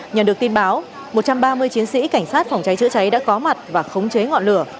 nhận được tin báo một trăm ba mươi chiến sĩ cảnh sát phòng cháy chữa cháy đã có mặt và khống chế ngọn lửa